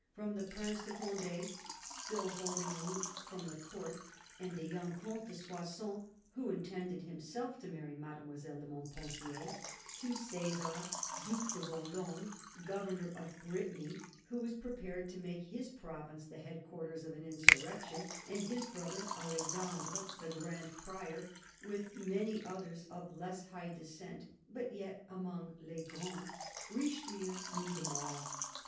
From the Prince de Conde, still holding aloof from the Court, and the young Comte de Soissons, who intended himself to marry Made moiselle de Montpensier, to Cesar, Due de Vend6me, governor of Brittany, who was prepared to make his province the head quarters of an insurrection, and his brother Alexandre, the Grand Prior, with many others of less high descent but yet among les grands — Richelieu knew them all.